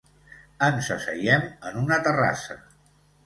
Ens asseiem en una terrassa.